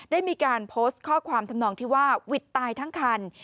ได้มีการโพสต์ข้อความทำนองที่ว่าวิทย์ตายทั้งคัน